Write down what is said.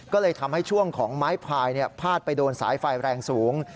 ก็เลยทำให้ช่วงของไม้พายพาดไปโดนสายไฟแรงสูง